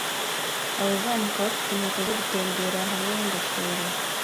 Abazamuka bafite inkweto zo gutembera hamwe n'ingofero